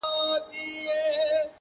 اوس به څوك رايادوي تېري خبري!!